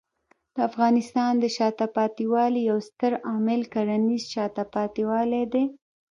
د افغانستان د شاته پاتې والي یو ستر عامل کرنېز شاته پاتې والی دی.